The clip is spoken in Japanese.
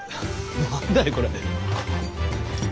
何だいこれ。